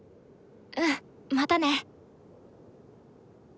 うんまたね！